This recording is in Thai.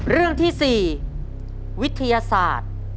เรื่องที่๔วิทยาศาสตร์